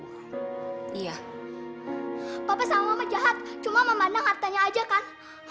iya bapak sama mama jahat cuma memandang hartanya aja kan